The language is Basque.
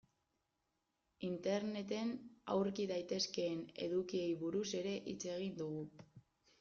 Interneten aurki daitezkeen edukiei buruz ere hitz egin dugu.